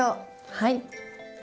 はい。